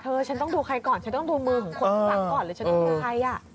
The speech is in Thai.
ฉันต้องดูใครก่อนฉันต้องดูมือของคนรักก่อนเลยฉันต้องคือใครอ่ะ